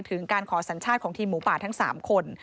ถึงการขอสัญชาติของทีมหมูป่าทั้ง๓คน